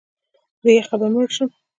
د یخه به مړ شم!